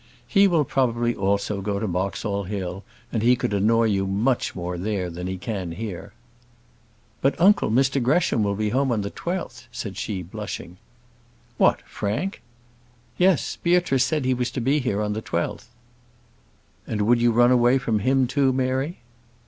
He will probably also go to Boxall Hill, and he could annoy you much more there than he can here." "But, uncle, Mr Gresham will be home on the 12th," she said, blushing. "What! Frank?" "Yes. Beatrice said he was to be here on the 12th." "And would you run away from him too, Mary?"